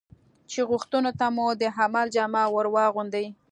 چې غوښتنو ته مو د عمل جامه ور واغوندي.